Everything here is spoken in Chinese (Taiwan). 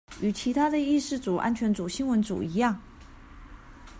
與其他的議事組安全組新聞組一樣